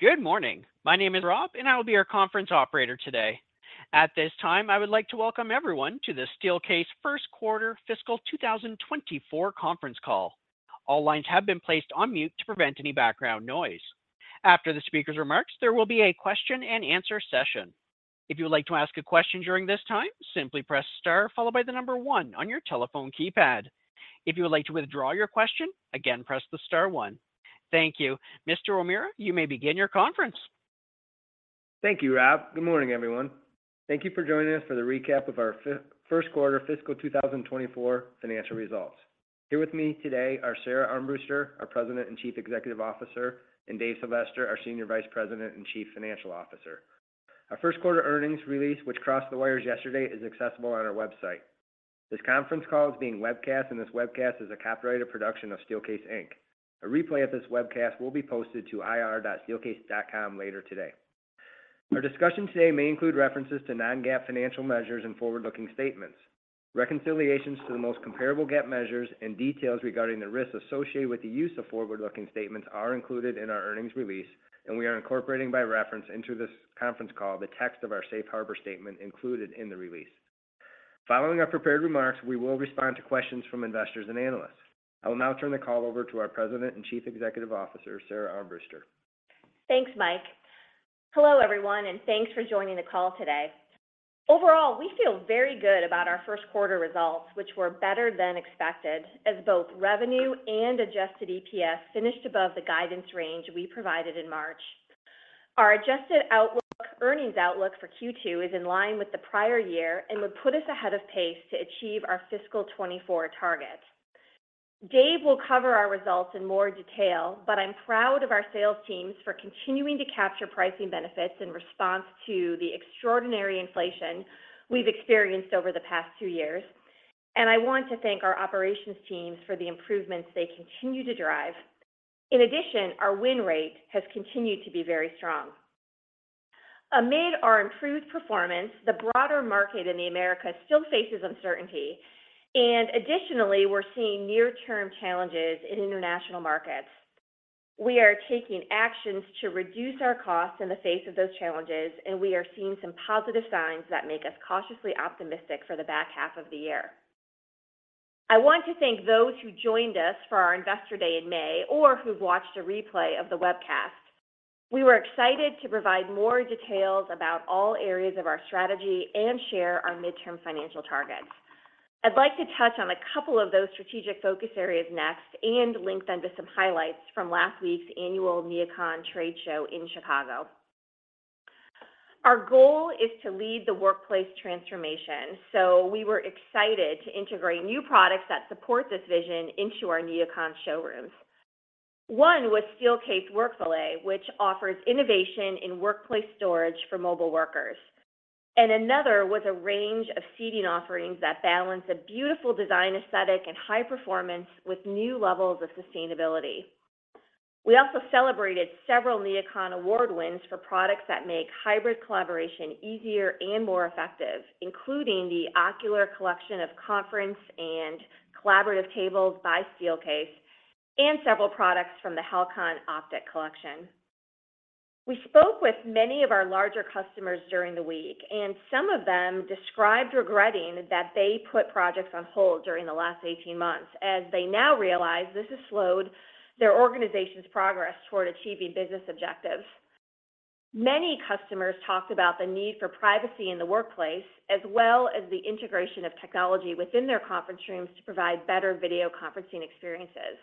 Good morning. My name is Rob, and I will be your conference operator today. At this time, I would like to welcome everyone to the Steelcase Q1 fiscal 2024 Conference Call. All lines have been placed on mute to prevent any background noise. After the speaker's remarks, there will be a question and answer session. If you would like to ask a question during this time, simply press star followed by one on your telephone keypad. If you would like to withdraw your question, again, press the star one. Thank you. Mr. O'Meara, you may begin your conference. Thank you, Rob. Good morning, everyone. Thank you for joining us for the recap of our Q1 fiscal 2024 financial results. Here with me today are Sara Armbruster, our President and Chief Executive Officer, and Dave Sylvester, our Senior Vice President and Chief Financial Officer. Our Q1 earnings release, which crossed the wires yesterday, is accessible on our website. This conference call is being webcast. This webcast is a copyrighted production of Steelcase Inc. A replay of this webcast will be posted to ir.steelcase.com later today. Our discussion today may include references to non-GAAP financial measures and forward-looking statements. Reconciliations to the most comparable GAAP measures and details regarding the risks associated with the use of forward-looking statements are included in our earnings release. We are incorporating by reference into this conference call the text of our safe harbor statement included in the release. Following our prepared remarks, we will respond to questions from investors and analysts. I will now turn the call over to our President and Chief Executive Officer, Sara Armbruster. Thanks, Mike. Hello, everyone, thanks for joining the call today. Overall, we feel very good about our Q1 results, which were better than expected, as both revenue and adjusted EPS finished above the guidance range we provided in March. Our adjusted outlook, earnings outlook for Q2 is in line with the prior year and would put us ahead of pace to achieve our fiscal 2024 target. Dave will cover our results in more detail. I'm proud of our sales teams for continuing to capture pricing benefits in response to the extraordinary inflation we've experienced over the past 2 years. I want to thank our operations teams for the improvements they continue to drive. In addition, our win rate has continued to be very strong. Amid our improved performance, the broader market in the Americas still faces uncertainty. Additionally, we're seeing near-term challenges in international markets. We are taking actions to reduce our costs in the face of those challenges. We are seeing some positive signs that make us cautiously optimistic for the back half of the year. I want to thank those who joined us for our Investor Day in May or who've watched a replay of the webcast. We were excited to provide more details about all areas of our strategy and share our midterm financial targets. I'd like to touch on a couple of those strategic focus areas next and link them to some highlights from last week's annual NeoCon trade show in Chicago. Our goal is to lead the workplace transformation. We were excited to integrate new products that support this vision into our NeoCon showrooms. One was Steelcase WorkValet, which offers innovation in workplace storage for mobile workers. Another was a range of seating offerings that balance a beautiful design, aesthetic, and high performance with new levels of sustainability. We also celebrated several NeoCon award wins for products that make hybrid collaboration easier and more effective, including the Ocular collection of conference and collaborative tables by Steelcase and several products from the HALCON OPTICS collection. We spoke with many of our larger customers during the week. Some of them described regretting that they put projects on hold during the last 18 months, as they now realize this has slowed their organization's progress toward achieving business objectives. Many customers talked about the need for privacy in the workplace, as well as the integration of technology within their conference rooms to provide better video conferencing experiences.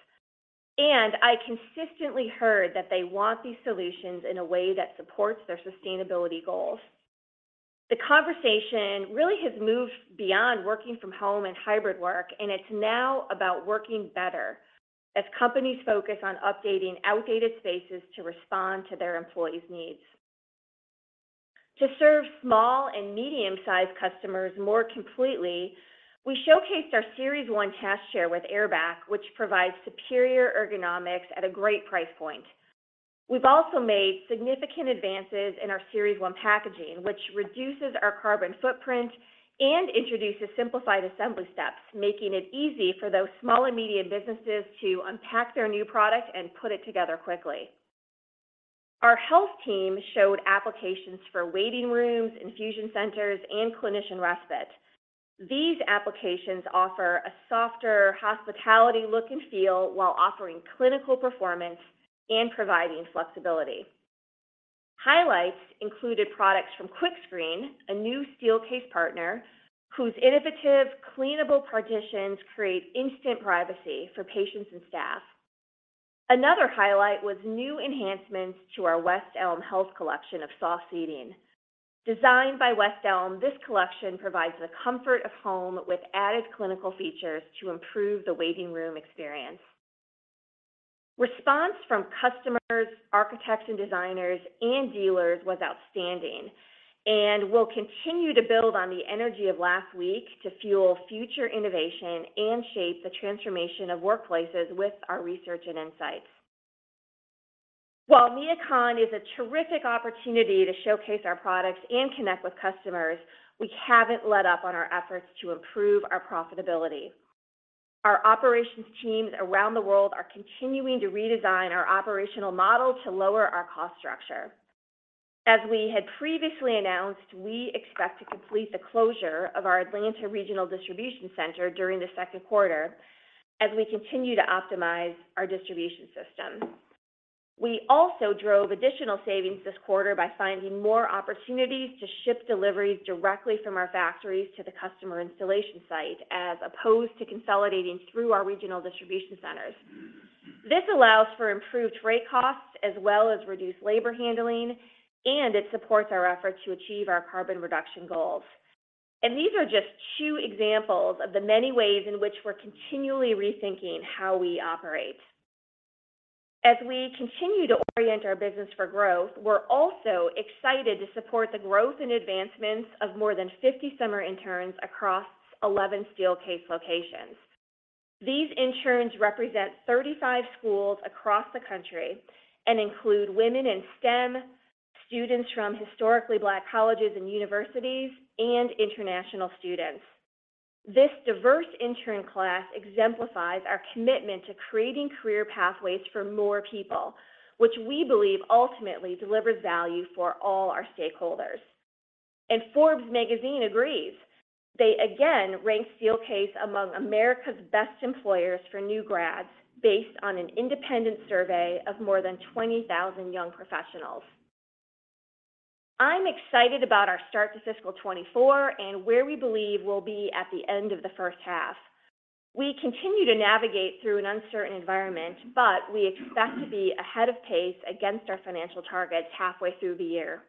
I consistently heard that they want these solutions in a way that supports their sustainability goals. The conversation really has moved beyond working from home and hybrid work, and it's now about working better as companies focus on updating outdated spaces to respond to their employees' needs. To serve small and medium-sized customers more completely, we showcased our Series 1 task chair with Air Back, which provides superior ergonomics at a great price point. We've also made significant advances in our Series 1 packaging, which reduces our carbon footprint and introduces simplified assembly steps, making it easy for those small and medium businesses to unpack their new product and put it together quickly. Our health team showed applications for waiting rooms, infusion centers, and clinician respite. These applications offer a softer hospitality look and feel while offering clinical performance and providing flexibility. Highlights included products from KwickScreen, a new Steelcase partner, whose innovative, cleanable partitions create instant privacy for patients and staff. Another highlight was new enhancements to our West Elm Health collection of soft seating. Designed by West Elm, this collection provides the comfort of home with added clinical features to improve the waiting room experience. Response from customers, architects and designers, and dealers was outstanding, and we'll continue to build on the energy of last week to fuel future innovation and shape the transformation of workplaces with our research and insights. While NeoCon is a terrific opportunity to showcase our products and connect with customers, we haven't let up on our efforts to improve our profitability. Our operations teams around the world are continuing to redesign our operational model to lower our cost structure. As we had previously announced, we expect to complete the closure of our Atlanta regional distribution center during the Q2, as we continue to optimize our distribution system. We also drove additional savings this quarter by finding more opportunities to ship deliveries directly from our factories to the customer installation site, as opposed to consolidating through our regional distribution centers. This allows for improved freight costs, as well as reduced labor handling, and it supports our efforts to achieve our carbon reduction goals. These are just two examples of the many ways in which we're continually rethinking how we operate. As we continue to orient our business for growth, we're also excited to support the growth and advancements of more than 50 summer interns across 11 Steelcase locations. These interns represent 35 schools across the country and include women in STEM, students from historically Black colleges and universities, and international students. Forbes Magazine agrees. They again ranked Steelcase among America's best employers for new grads, based on an independent survey of more than 20,000 young professionals. I'm excited about our start to fiscal 2024 and where we believe we'll be at the end of the first half. We continue to navigate through an uncertain environment, we expect to be ahead of pace against our financial targets halfway through the year.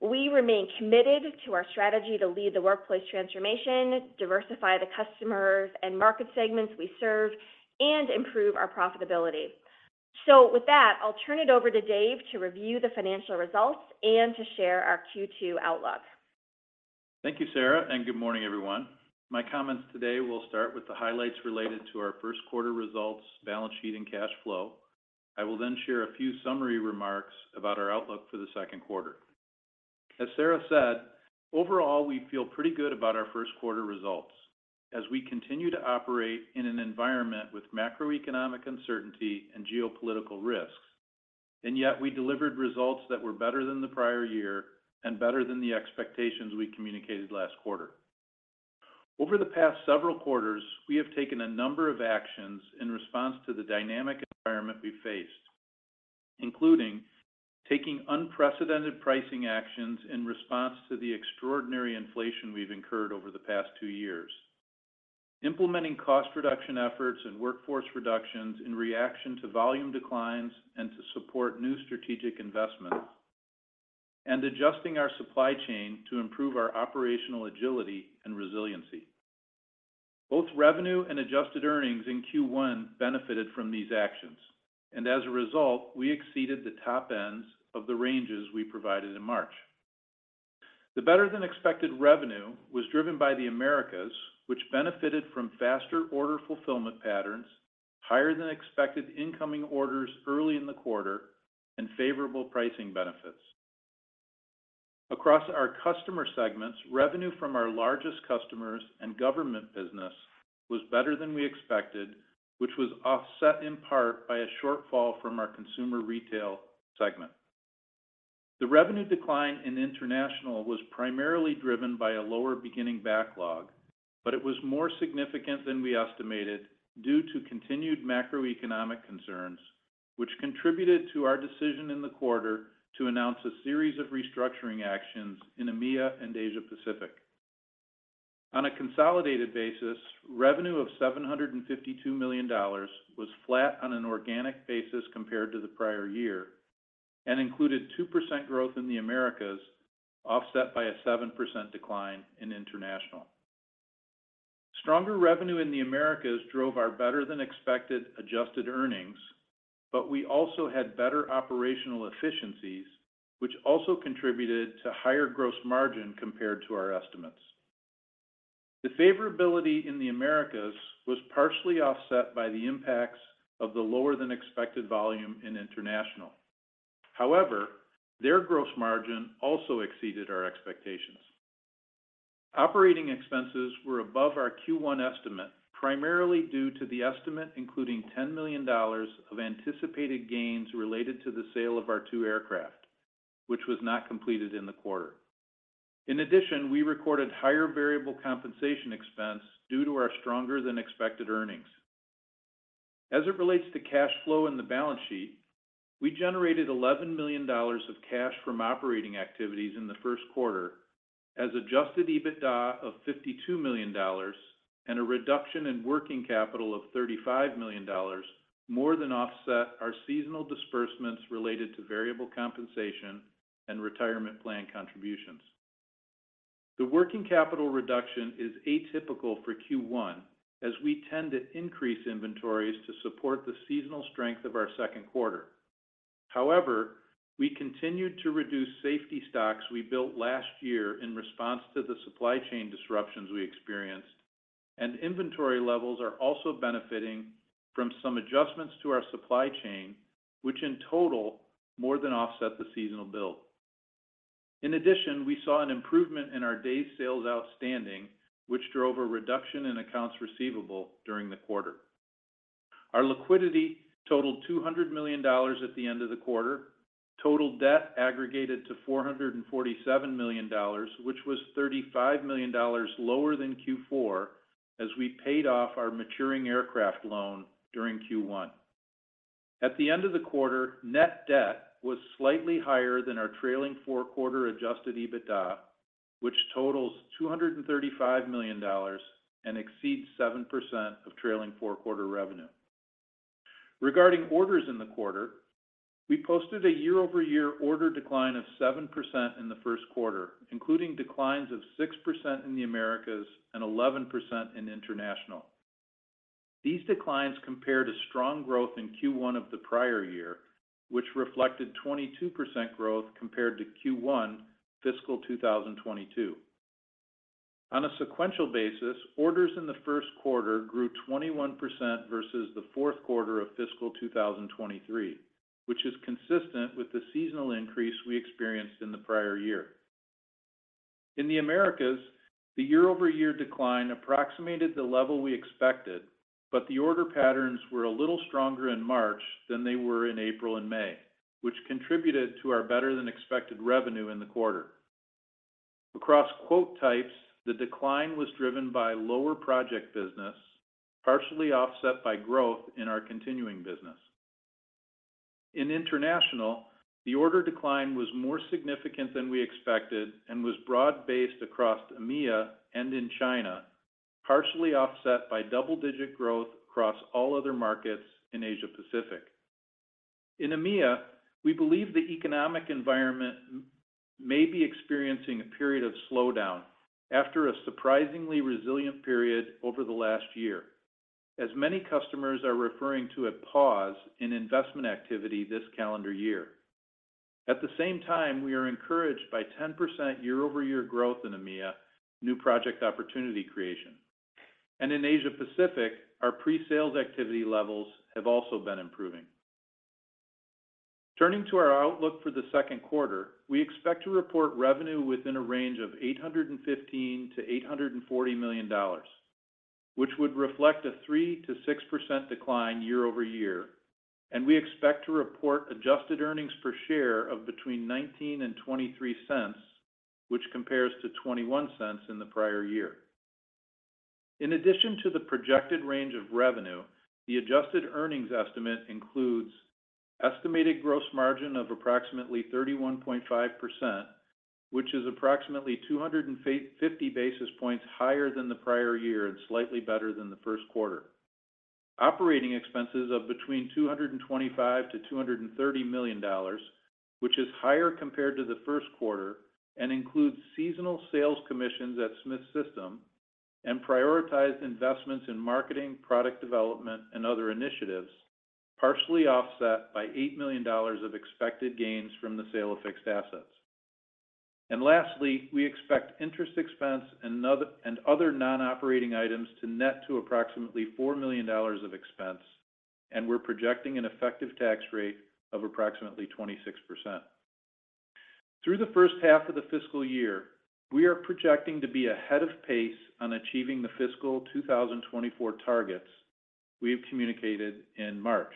We remain committed to our strategy to lead the workplace transformation, diversify the customers and market segments we serve, and improve our profitability. With that, I'll turn it over to Dave to review the financial results and to share our Q2 outlook. Thank you, Sara, and good morning, everyone. My comments today will start with the highlights related to our Q1 results, balance sheet, and cash flow. I will share a few summary remarks about our outlook for the Q2. As Sara said, overall, we feel pretty good about our Q1 results as we continue to operate in an environment with macroeconomic uncertainty and geopolitical risks, and yet we delivered results that were better than the prior year and better than the expectations we communicated last quarter. Over the past several quarters, we have taken a number of actions in response to the dynamic environment we faced, including taking unprecedented pricing actions in response to the extraordinary inflation we've incurred over the past two years, implementing cost reduction efforts and workforce reductions in reaction to volume declines and to support new strategic investments, and adjusting our supply chain to improve our operational agility and resiliency. Both revenue and adjusted earnings in Q1 benefited from these actions, and as a result, we exceeded the top ends of the ranges we provided in March. The better-than-expected revenue was driven by the Americas, which benefited from faster order fulfillment patterns, higher-than-expected incoming orders early in the quarter, and favorable pricing benefits. Across our customer segments, revenue from our largest customers and government business was better than we expected, which was offset in part by a shortfall from our consumer retail segment. The revenue decline in international was primarily driven by a lower beginning backlog, but it was more significant than we estimated due to continued macroeconomic concerns, which contributed to our decision in the quarter to announce a series of restructuring actions in EMEA and Asia Pacific. On a consolidated basis, revenue of $752 million was flat on an organic basis compared to the prior year and included 2% growth in the Americas, offset by a 7% decline in international. Stronger revenue in the Americas drove our better-than-expected adjusted earnings, but we also had better operational efficiencies, which also contributed to higher gross margin compared to our estimates. The favorability in the Americas was partially offset by the impacts of the lower-than-expected volume in international. Their gross margin also exceeded our expectations. Operating expenses were above our Q1 estimate, primarily due to the estimate, including $10 million of anticipated gains related to the sale of our two aircraft, which was not completed in the quarter. We recorded higher variable compensation expense due to our stronger-than-expected earnings. As it relates to cash flow in the balance sheet, we generated $11 million of cash from operating activities in the Q1, as adjusted EBITDA of $52 million and a reduction in working capital of $35 million more than offset our seasonal disbursements related to variable compensation and retirement plan contributions. The working capital reduction is atypical for Q1, as we tend to increase inventories to support the seasonal strength of our Q2. However, we continued to reduce safety stocks we built last year in response to the supply chain disruptions we experienced, and inventory levels are also benefiting from some adjustments to our supply chain, which in total more than offset the seasonal build. In addition, we saw an improvement in our days sales outstanding, which drove a reduction in accounts receivable during the quarter. Our liquidity totaled $200 million at the end of the quarter. Total debt aggregated to $447 million, which was $35 million lower than Q4, as we paid off our maturing aircraft loan during Q1. At the end of the quarter, net debt was slightly higher than our trailing Q4 adjusted EBITDA, which totals $235 million and exceeds 7% of trailing four-quarter revenue. Regarding orders in the quarter, we posted a year-over-year order decline of 7% in the Q1, including declines of 6% in the Americas and 11% in international. These declines compared to strong growth in Q1 of the prior year, which reflected 22% growth compared to Q1, fiscal 2022. On a sequential basis, orders in the Q1 grew 21% versus the Q4 of fiscal 2023, which is consistent with the seasonal increase we experienced in the prior year. In the Americas, the year-over-year decline approximated the level we expected, but the order patterns were a little stronger in March than they were in April and May, which contributed to our better-than-expected revenue in the quarter. Across quote types, the decline was driven by lower project business, partially offset by growth in our continuing business. In international, the order decline was more significant than we expected and was broad-based across EMEA and in China, partially offset by double-digit growth across all other markets in Asia Pacific. In EMEA, we believe the economic environment may be experiencing a period of slowdown after a surprisingly resilient period over the last year, as many customers are referring to a pause in investment activity this calendar year. At the same time, we are encouraged by 10% year-over-year growth in EMEA, new project opportunity creation. In Asia Pacific, our pre-sales activity levels have also been improving. Turning to our outlook for the Q2, we expect to report revenue within a range of $815 million-$840 million, which would reflect a 3%-6% decline year-over-year. We expect to report adjusted earnings per share of between $0.19 and $0.23, which compares to $0.21 in the prior year. In addition to the projected range of revenue, the adjusted earnings estimate includes estimated gross margin of approximately 31.5%, which is approximately 250 basis points higher than the prior year and slightly better than the Q1. Operating expenses of between $225 million-$230 million, which is higher compared to the Q1 and includes seasonal sales commissions at Smith System and prioritized investments in marketing, product development, and other initiatives, partially offset by $8 million of expected gains from the sale of fixed assets. Lastly, we expect interest expense and other non-operating items to net to approximately $4 million of expense. We're projecting an effective tax rate of approximately 26%. Through the first half of the fiscal year, we are projecting to be ahead of pace on achieving the fiscal 2024 targets we have communicated in March.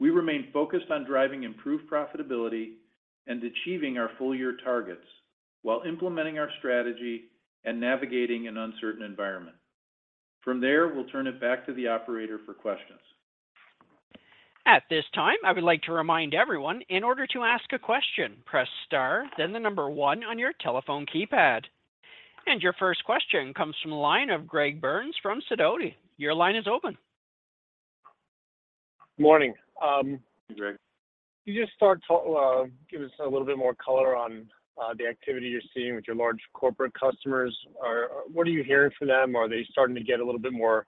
We remain focused on driving improved profitability and achieving our full year targets while implementing our strategy and navigating an uncertain environment. We'll turn it back to the operator for questions. At this time, I would like to remind everyone, in order to ask a question, press star, then one on your telephone keypad. Your first question comes from the line of Greg Burns from Sidoti. Your line is open. Morning. Hey, Greg. Can you just start to give us a little bit more color on the activity you're seeing with your large corporate customers? What are you hearing from them? Are they starting to get a little bit more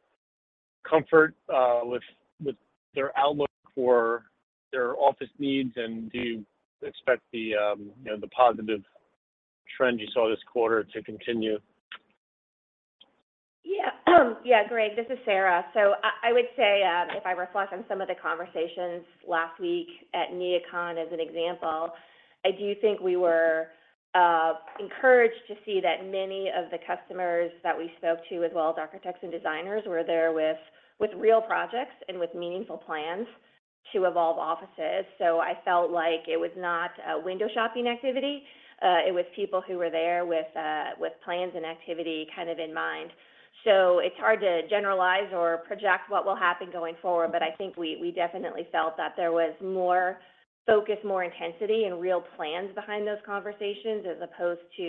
comfort with their outlook for their office needs? Do you expect the, you know, the positive trend you saw this quarter to continue? Greg, this is Sara. I would say, if I reflect on some of the conversations last week at NeoCon, as an example, I do think we were encouraged to see that many of the customers that we spoke to, as well as architects and designers, were there with real projects and with meaningful plans to evolve offices. I felt like it was not a window shopping activity. It was people who were there with plans and activity kind of in mind. It's hard to generalize or project what will happen going forward, but I think we definitely felt that there was more focus, more intensity, and real plans behind those conversations, as opposed to,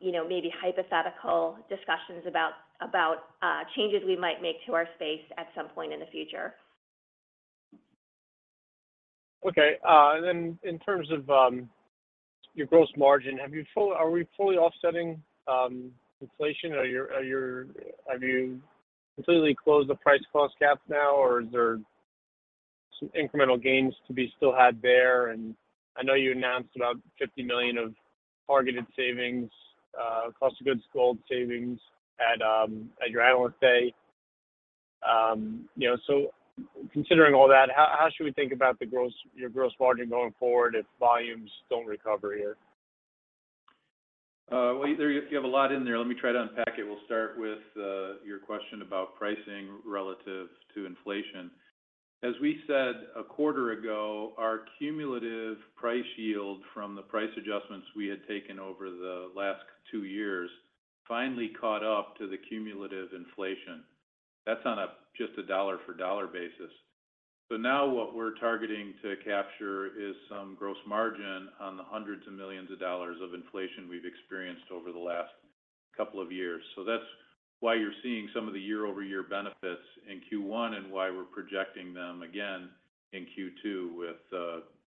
you know, maybe hypothetical discussions about changes we might make to our space at some point in the future. Okay. In terms of your gross margin, are we fully offsetting inflation? Have you completely closed the price/cost gap now, or is there some incremental gains to be still had there? I know you announced about $50 million of targeted savings, cost of goods sold savings at your analyst day. Considering all that, should we think about your gross margin going forward if volumes don't recover here? Well, you have a lot in there. Let me try to unpack it. We'll start with your question about pricing relative to inflation. As we said a quarter ago, our cumulative price yield from the price adjustments we had taken over the last two years finally caught up to the cumulative inflation. That's on a just a dollar for dollar basis. Now what we're targeting to capture is some gross margin on the $hundreds of millions of inflation we've experienced over the last couple of years. That's why you're seeing some of the year-over-year benefits in Q1, and why we're projecting them again in Q2 with,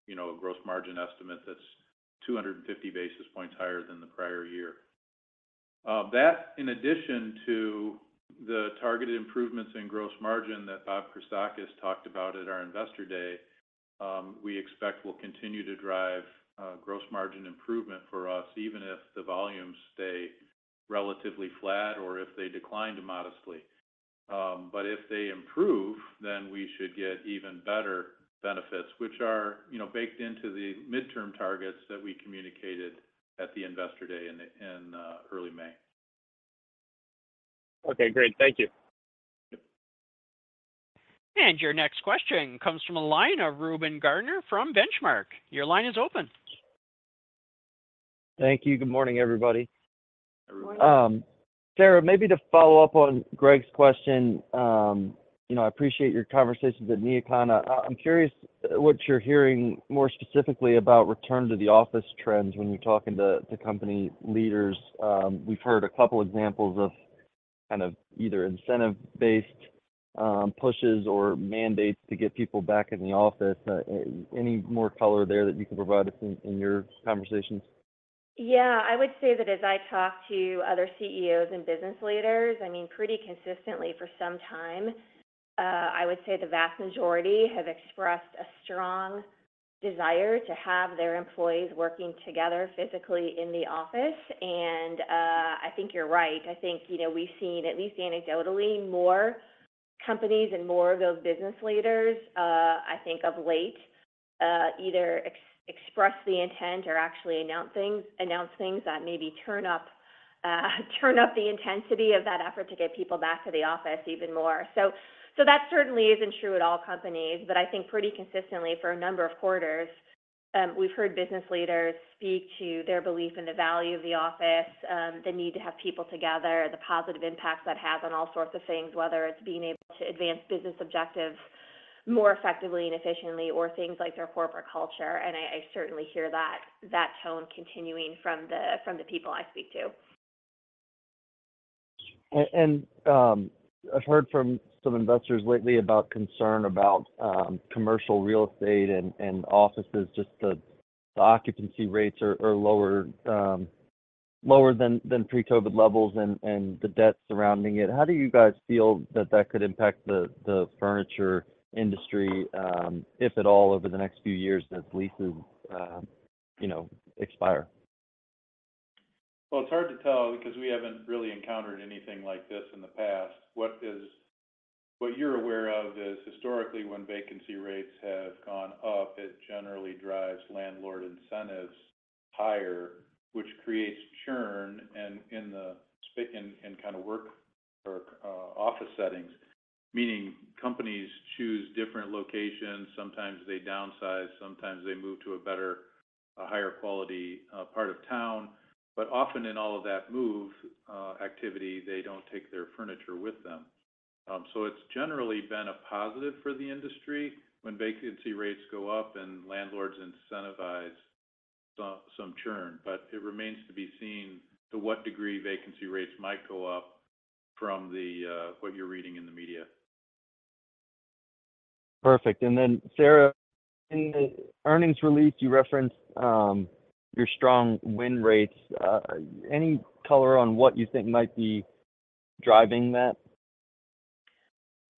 you know, a gross margin estimate that's 250 basis points higher than the prior year. That, in addition to the targeted improvements in gross margin that Bob Krestakos talked about at our Investor Day, we expect will continue to drive gross margin improvement for us, even if the volumes stay relatively flat or if they declined modestly. If they improve, then we should get even better benefits, which are, you know, baked into the midterm targets that we communicated at the Investor Day in early May. Okay, great. Thank you. Yep. Your next question comes from a line of Reuben Garner from Benchmark. Your line is open. Thank you. Good morning, everybody. Good morning. Sara, maybe to follow up on Greg's question, you know, I appreciate your conversations at NeoCon. I'm curious what you're hearing more specifically about return to the office trends when you're talking to company leaders. We've heard a couple examples of kind of either incentive-based pushes or mandates to get people back in the office. Any more color there that you can provide us in your conversations? Yeah, I would say that as I talk to other CEOs and business leaders, I mean, pretty consistently for some time, I would say the vast majority have expressed a strong desire to have their employees working together physically in the office. I think you're right. I think, you know, we've seen, at least anecdotally, more companies and more of those business leaders, I think of late, either express the intent or actually announce things that maybe turn up the intensity of that effort to get people back to the office even more. That certainly isn't true at all companies, but I think pretty consistently for a number of quarters, we've heard business leaders speak to their belief in the value of the office, the need to have people together, the positive impact that has on all sorts of things, whether it's being able to advance business objectives more effectively and efficiently, or things like their corporate culture. I certainly hear that tone continuing from the people I speak to. I've heard from some investors lately about concern about commercial real estate and offices, just the occupancy rates are lower than pre-COVID levels and the debt surrounding it. How do you guys feel that that could impact the furniture industry, if at all, over the next few years as leases, you know, expire? It's hard to tell because we haven't really encountered anything like this in the past. What you're aware of is historically, when vacancy rates have gone up, it generally drives landlord incentives higher, which creates churn, and in kind of work or office settings, meaning companies choose different locations. Sometimes they downsize, sometimes they move to a better, a higher quality part of town. Often in all of that move activity, they don't take their furniture with them. It's generally been a positive for the industry when vacancy rates go up and landlords incentivize some churn. It remains to be seen to what degree vacancy rates might go up from the what you're reading in the media. Perfect. Sara, in the earnings release, you referenced your strong win rates. Any color on what you think might be driving that?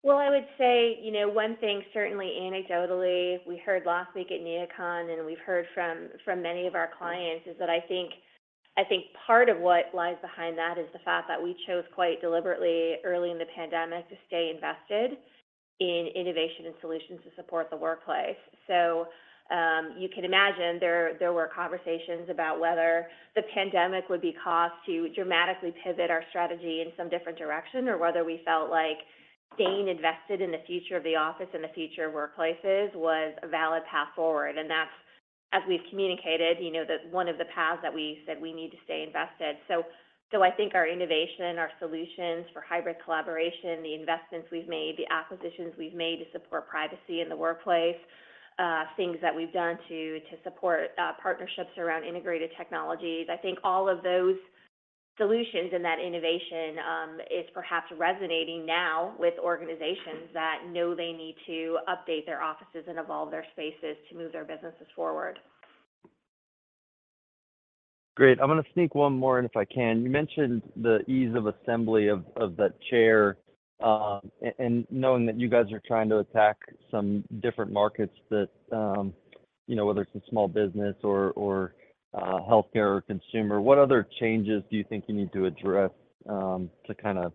Well, I would say, you know, one thing, certainly anecdotally, we heard last week at NeoCon, and we've heard from many of our clients, is that I think part of what lies behind that is the fact that we chose quite deliberately early in the pandemic, to stay invested in innovation and solutions to support the workplace. You can imagine there were conversations about whether the pandemic would be caused to dramatically pivot our strategy in some different direction, or whether we felt like staying invested in the future of the office and the future of workplaces was a valid path forward. That's, as we've communicated, you know, that one of the paths that we said we need to stay invested. I think our innovation, our solutions for hybrid collaboration, the investments we've made, the acquisitions we've made to support privacy in the workplace, things that we've done to support partnerships around integrated technologies, I think all of those solutions and that innovation, is perhaps resonating now with organizations that know they need to update their offices and evolve their spaces to move their businesses forward. Great. I'm gonna sneak one more in, if I can. You mentioned the ease of assembly of that chair. Knowing that you guys are trying to attack some different markets that, you know, whether it's in small business or healthcare or consumer, what other changes do you think you need to address, to kind of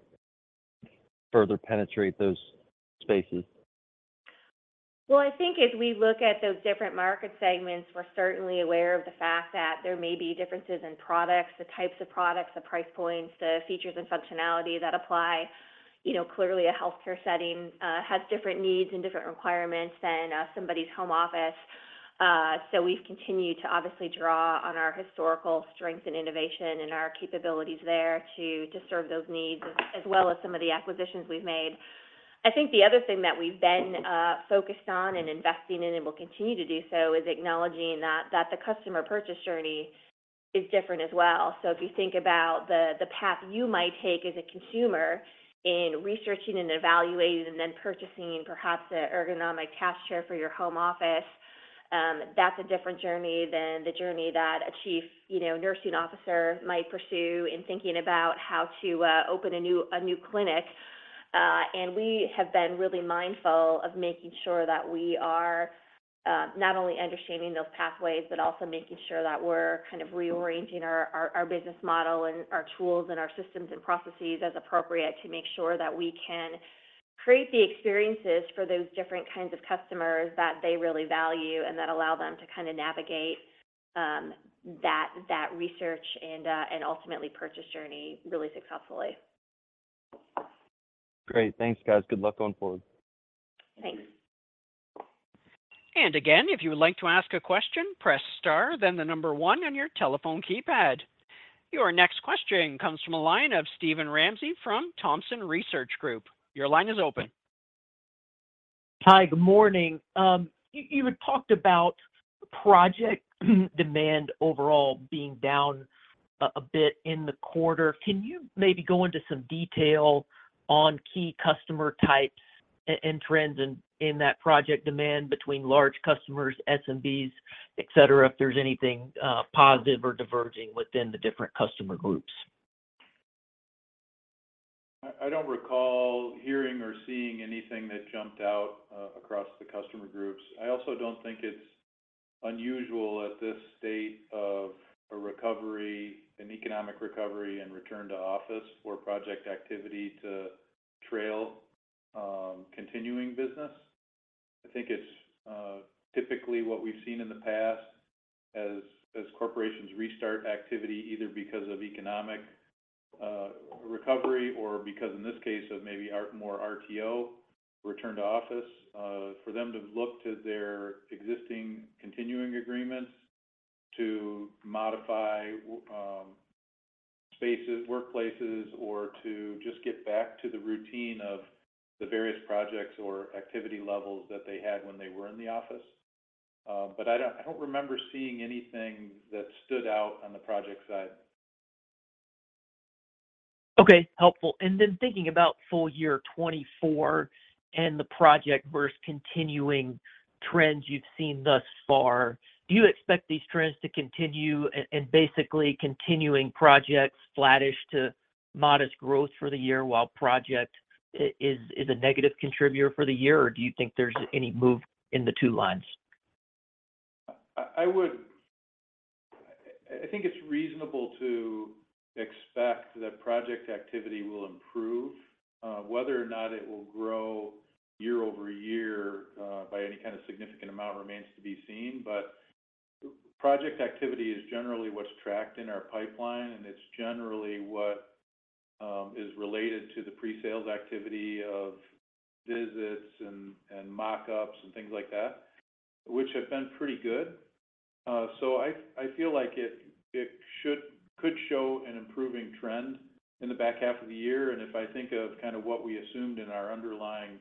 further penetrate those spaces? Well, I think as we look at those different market segments, we're certainly aware of the fact that there may be differences in products, the types of products, the price points, the features, and functionality that apply. You know, clearly, a healthcare setting, has different needs and different requirements than somebody's home office. We've continued to obviously draw on our historical strength and innovation and our capabilities there to serve those needs, as well as some of the acquisitions we've made. I think the other thing that we've been focused on and investing in, and will continue to do so, is acknowledging that the customer purchase journey is different as well. If you think about the path you might take as a consumer in researching and evaluating and then purchasing perhaps an ergonomic task chair for your home office, that's a different journey than the journey that a chief, you know, nursing officer might pursue in thinking about how to open a new clinic. And we have been really mindful of making sure that we are not only understanding those pathways, but also making sure that we're kind of rearranging our business model and our tools and our systems and processes as appropriate, to make sure that we can create the experiences for those different kinds of customers that they really value and that allow them to kind of navigate that research and ultimately purchase journey really successfully. Great, thanks, guys. Good luck going forward. Thanks. Again, if you would like to ask a question, press star, then one on your telephone keypad. Your next question comes from a line of Steven Ramsey from Thompson Research Group. Your line is open. Hi, good morning. You had talked about project demand overall being down a bit in the quarter. Can you maybe go into some detail on key customer types and trends in that project demand between large customers, SMBs, et cetera, if there's anything positive or diverging within the different customer groups? I don't recall hearing or seeing anything that jumped out across the customer groups. I also don't think it's unusual at this state of a recovery, an economic recovery and return to office for project activity to trail continuing business. I think it's typically what we've seen in the past as corporations restart activity, either because of economic recovery or because, in this case, of more RTO, return to office, for them to look to their existing continuing agreements to modify spaces, workplaces, or to just get back to the routine of the various projects or activity levels that they had when they were in the office. I don't remember seeing anything that stood out on the project side. Okay, helpful. Thinking about full year 2024 and the project versus continuing trends you've seen thus far, do you expect these trends to continue and basically continuing projects, flattish to modest growth for the year, while project is a negative contributor for the year? Or do you think there's any move in the two lines? I think it's reasonable to expect that project activity will improve. Whether or not it will grow year-over-year by any kind of significant amount remains to be seen. Project activity is generally what's tracked in our pipeline, and it's generally what is related to the pre-sales activity of visits and mock-ups, and things like that, which have been pretty good. I feel like it could show an improving trend in the back half of the year. If I think of kind of what we assumed in our underlying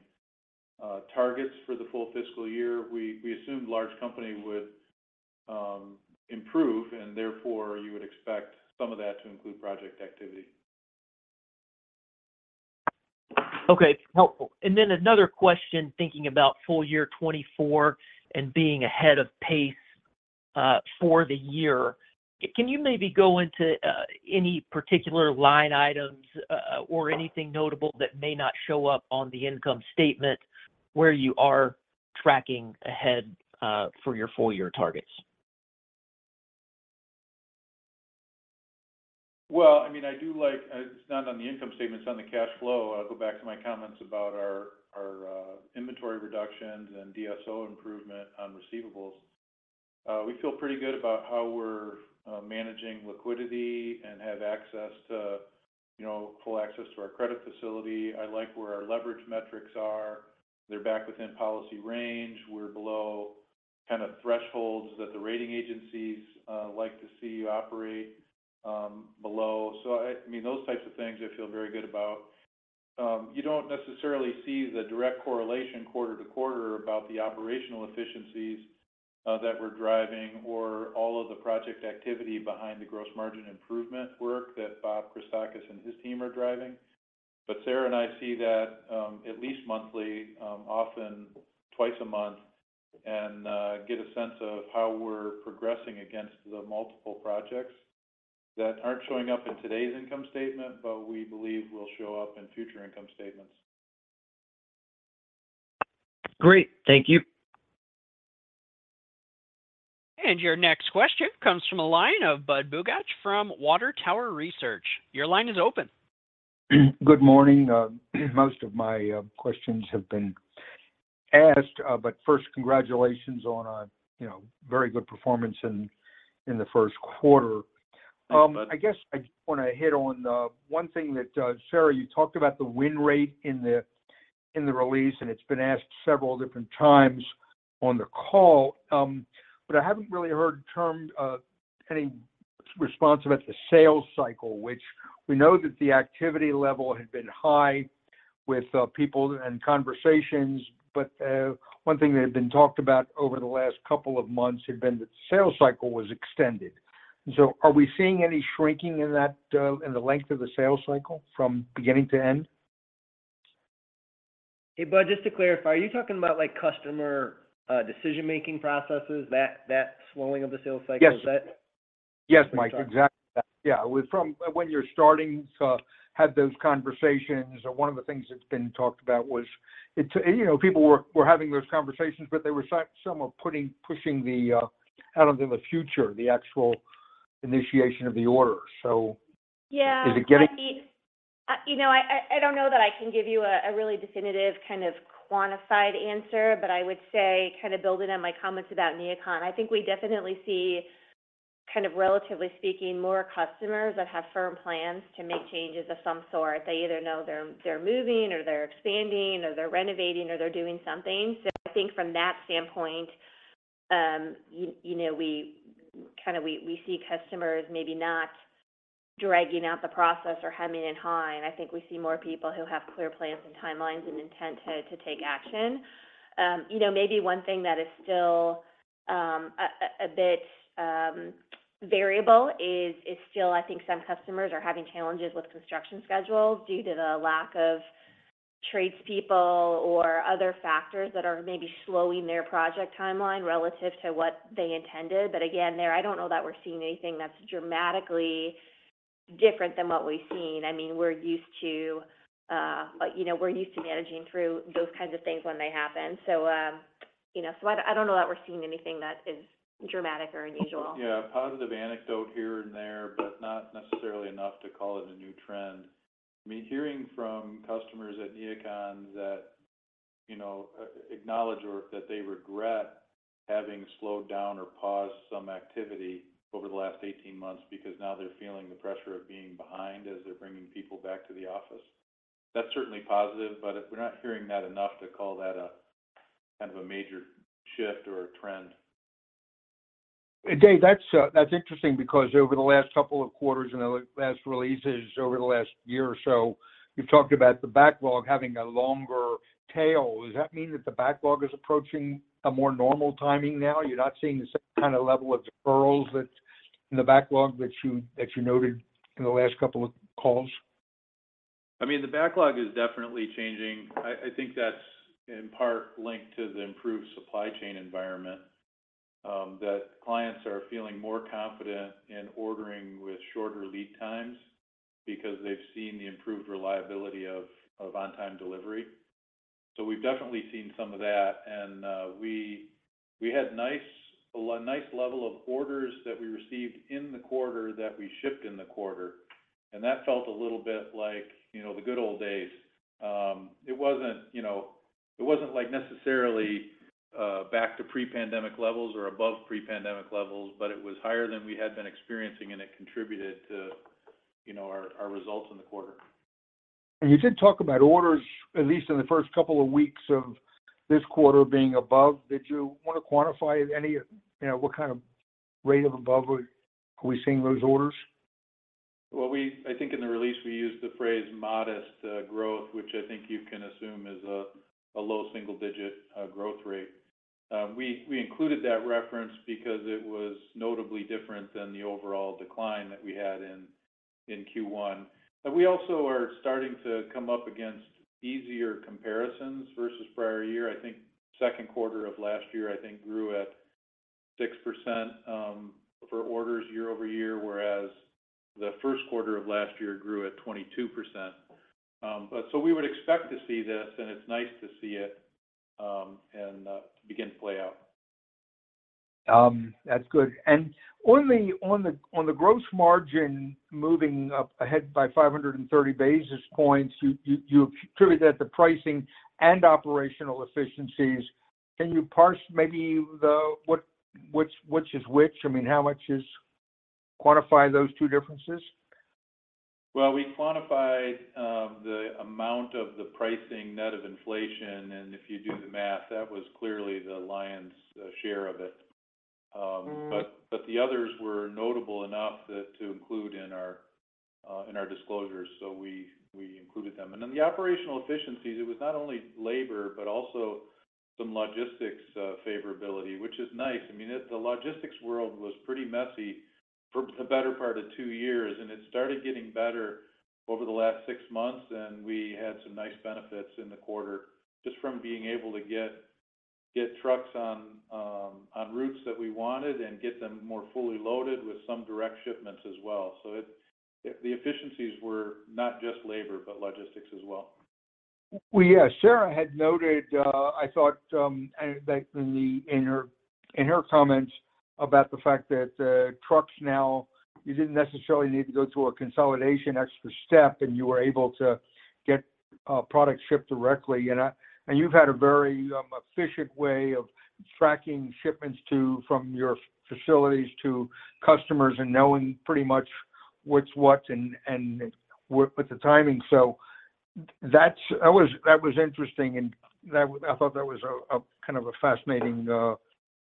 targets for the full fiscal year, we assumed large company would improve, and therefore you would expect some of that to include project activity. Okay, helpful. Another question, thinking about full year 2024 and being ahead of pace for the year, can you maybe go into any particular line items or anything notable that may not show up on the income statement where you are tracking ahead for your full year targets? Well, I mean, I do like, it's not on the income statement, it's on the cash flow. I'll go back to my comments about our inventory reductions and DSO improvement on receivables. We feel pretty good about how we're managing liquidity and have access to, you know, full access to our credit facility. I like where our leverage metrics are. They're back within policy range. We're below kind of thresholds that the rating agencies like to see operate below. I mean, those types of things I feel very good about. You don't necessarily see the direct correlation quarter-to-quarter about the operational efficiencies that we're driving, or all of the project activity behind the gross margin improvement work that Bob Krestakos and his team are driving. Sara and I see that, at least monthly, often twice a month, and get a sense of how we're progressing against the multiple projects that aren't showing up in today's income statement, but we believe will show up in future income statements. Great. Thank you. Your next question comes from a line of Budd Bugatch from Water Tower Research. Your line is open. Good morning. Most of my questions have been asked, but first, congratulations on a, you know, very good performance in the Q1. Thanks, Budd. I guess I just wanna hit on the one thing that, Sara, you talked about the win rate in the release, and it's been asked several different times on the call, but I haven't really heard termed, any response about the sales cycle, which we know that the activity level had been high with, people and conversations, but, one thing that had been talked about over the last couple of months had been that the sales cycle was extended. Are we seeing any shrinking in that, in the length of the sales cycle from beginning to end? Hey, Budd, just to clarify, are you talking about, like, customer decision-making processes, that slowing of the sales cycle... Yes. Is that? Yes, Mike, exactly that. Yeah, with when you're starting to have those conversations, one of the things that's been talked about you know, people were having those conversations, they were some were pushing the out into the future, the actual initiation of the order. Yeah. Is it getting- I, you know, I don't know that I can give you a really definitive kind of quantified answer, but I would say, kind of building on my comments about NeoCon, I think we definitely see, kind of relatively speaking, more customers that have firm plans to make changes of some sort. They either know they're moving, or they're expanding, or they're renovating, or they're doing something. I think from that standpoint, you know, we kinda we see customers maybe not dragging out the process or hemming and hawing, and I think we see more people who have clear plans and timelines and intent to take action. You know, maybe one thing that is still a bit variable is still, I think some customers are having challenges with construction schedules due to the lack of tradespeople or other factors that are maybe slowing their project timeline relative to what they intended. Again, there, I don't know that we're seeing anything that's dramatically different than what we've seen. I mean, we're used to, like, you know, we're used to managing through those kinds of things when they happen. You know, so I don't know that we're seeing anything that is dramatic or unusual. Yeah, a positive anecdote here and there, but not necessarily enough to call it a new trend. I mean, hearing from customers at NeoCon that, you know, acknowledge or that they regret having slowed down or paused some activity over the last 18 months because now they're feeling the pressure of being behind as they're bringing people back to the office. That's certainly positive, but we're not hearing that enough to call that kind of a major shift or a trend. Dave, that's interesting because over the last couple of quarters and the last releases over the last year or so, you've talked about the backlog having a longer tail. Does that mean that the backlog is approaching a more normal timing now? You're not seeing the same kind of level of deferrals that in the backlog that you noted in the last couple of calls? I mean, the backlog is definitely changing. I think that's in part linked to the improved supply chain environment, that clients are feeling more confident in ordering with shorter lead times because they've seen the improved reliability of on-time delivery. We've definitely seen some of that, and we had a nice level of orders that we received in the quarter that we shipped in the quarter, and that felt a little bit like, you know, the good old days. It wasn't, you know, it wasn't like necessarily back to pre-pandemic levels or above pre-pandemic levels, but it was higher than we had been experiencing, and it contributed to, you know, our results in the quarter. You did talk about orders, at least in the first couple of weeks of this quarter, being above. Did you wanna quantify any, you know, what kind of rate of above are we seeing those orders? Well, I think in the release, we used the phrase modest growth, which I think you can assume is a low single-digit growth rate. We included that reference because it was notably different than the overall decline that we had in Q1. We also are starting to come up against easier comparisons versus prior year. I think Q2 of last year, I think, grew at 6% for orders year-over-year, whereas the Q1 of last year grew at 22%. We would expect to see this, and it's nice to see it and begin to play out. That's good. On the gross margin, moving up ahead by 530 basis points, you've attributed that to pricing and operational efficiencies. Can you parse maybe what, which is which? I mean, how much is quantify those two differences? We quantified the amount of the pricing net of inflation, and if you do the math, that was clearly the lion's share of it but the others were notable enough that to include in our disclosures, we included them. The operational efficiencies, it was not only labor, but also some logistics favorability, which is nice. I mean, it, the logistics world was pretty messy for the better part of two years, and it started getting better over the last six months, and we had some nice benefits in the quarter, just from being able to get trucks on routes that we wanted and get them more fully loaded with some direct shipments as well. It, the efficiencies were not just labor, but logistics as well. Well, yeah, Sara had noted, I thought, and back in the, in her, in her comments about the fact that, trucks now, you didn't necessarily need to go through a consolidation extra step, and you were able to get products shipped directly. You've had a very efficient way of tracking shipments to, from your facilities to customers, and knowing pretty much what's what and with the timing. That's, that was interesting, and I thought that was a kind of a fascinating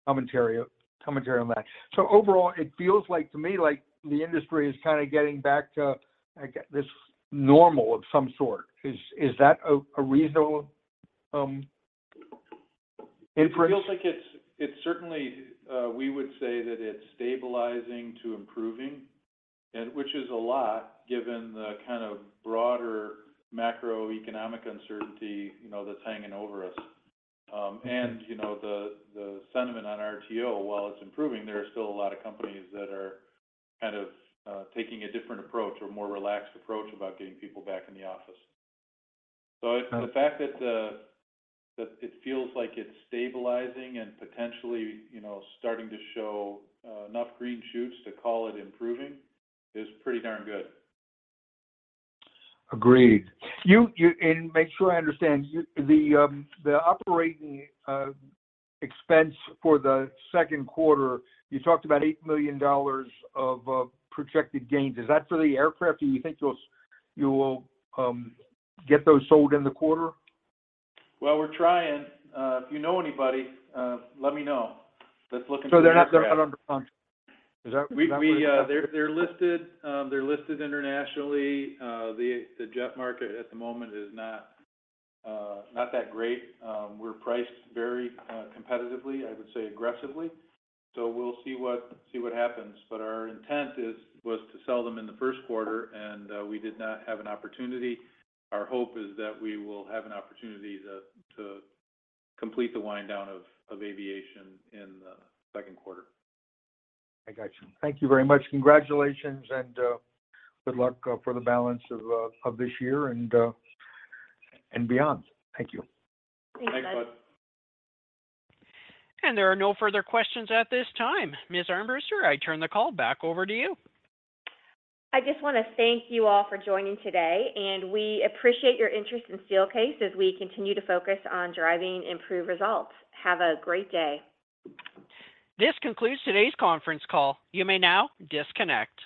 commentary on that. Overall, it feels like to me, like the industry is kind of getting back to, like, this normal of some sort. Is that a reasonable inference? It feels like it's certainly, we would say that it's stabilizing to improving. Which is a lot, given the kind of broader macroeconomic uncertainty, you know, that's hanging over us. You know, the sentiment on RTO, while it's improving, there are still a lot of companies that are kind of taking a different approach or a more relaxed approach about getting people back in the office. Okay. The fact that it feels like it's stabilizing and potentially, you know, starting to show, enough green shoots to call it improving, is pretty darn good. Agreed. You, make sure I understand. You, the operating expense for the Q2, you talked about $8 million of projected gains. Is that for the aircraft, do you think you will get those sold in the quarter? Well, we're trying. If you know anybody, let me know. Let's look into the aircraft. They're not under contract. Is that right? We, they're listed, they're listed internationally. The jet market at the moment is not that great. We're priced very competitively, I would say aggressively. We'll see what happens. Our intent was to sell them in the Q1, and we did not have an opportunity. Our hope is that we will have an opportunity to complete the wind down of aviation in the Q2. I got you. Thank you very much. Congratulations, and good luck for the balance of this year and beyond. Thank you. Thanks, Bud. Thanks, Bud. There are no further questions at this time. Ms. Armbruster, I turn the call back over to you. I just want to thank you all for joining today, and we appreciate your interest in Steelcase as we continue to focus on driving improved results. Have a great day. This concludes today's conference call. You may now disconnect.